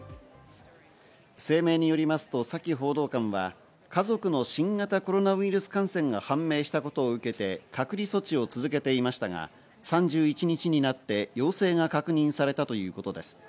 声明によりますとサキ報道官は家族の新型コロナウイルス感染が判明したことを受けて隔離措置を続けていましたが、３１日になって陽性が確認されたということです。